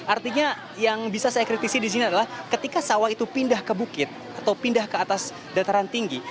artinya yang bisa saya kritisi di sini adalah ketika sawah itu pindah ke bukit atau pindah ke atas dataran tinggi